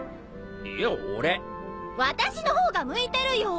私の方が向いてるよ！